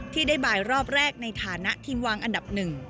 ที่ได้บายรอบแรกในฐานะทีมวางอันดับหนึ่ง